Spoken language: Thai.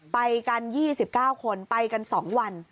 ไปกัน๒๙คนไปกัน๒วัน